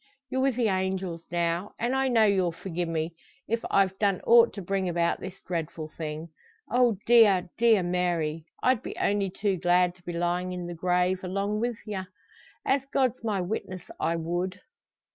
you're wi' the angels now; and I know you'll forgie me, if I've done ought to bring about this dreadful thing. Oh, dear, dear Mary! I'd be only too glad to be lyin' in the grave along wi' ye. As God's my witness I would."